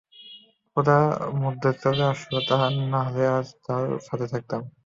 খোদা মধ্যে চলে আসলো নাহলে আজও তার সাথে হতাম।